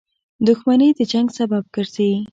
• دښمني د جنګ سبب ګرځي.